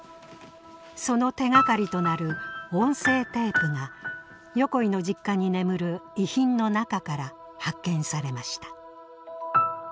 その手がかりとなる音声テープが横井の実家に眠る遺品の中から発見されました。